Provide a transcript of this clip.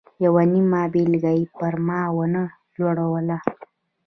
یوه نیمه بېلګه یې پر ما و نه لوروله.